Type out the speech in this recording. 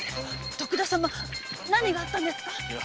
徳田様何があったんですか？